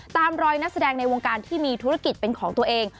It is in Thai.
ตามรอยนักแสดงในวงการที่มีธุรกิจเป็นของตัวเอง